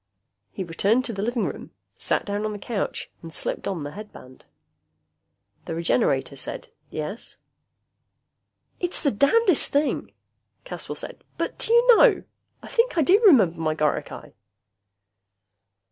He returned to the living room, sat down on the couch and slipped on the headband. The Regenerator said, "Yes?" "It's the damnedest thing," Caswell said, "but do you know, I think I do remember my goricae!"